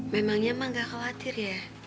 memangnya mah gak khawatir ya